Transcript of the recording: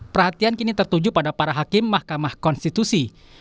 perhatian kini tertuju pada para hakim mahkamah konstitusi